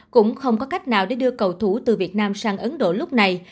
cũng không có cách nào để đưa cầu thủ từ việt nam sang ấn độ lúc này